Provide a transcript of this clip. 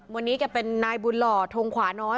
วันนี้แกเป็นนายบุญหล่อทงขวาน้อย